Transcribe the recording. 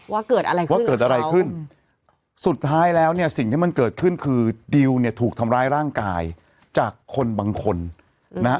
ว่าเกิดอะไรขึ้นว่าเกิดอะไรขึ้นสุดท้ายแล้วเนี่ยสิ่งที่มันเกิดขึ้นคือดิวเนี่ยถูกทำร้ายร่างกายจากคนบางคนนะฮะ